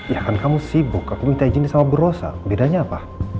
ya kan kamu sibuk aku minta izin sama berosa bedanya apa